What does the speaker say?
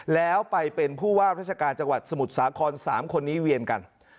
แล้วไปเป็นผู้ว่าราชการจังหวัดสมุทรสาคร๓คนนี้เวียนกัน